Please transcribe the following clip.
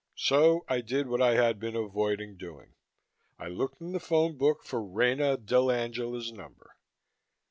So I did what I had been avoiding doing. I looked in the phone book for Rena dell'Angela's number.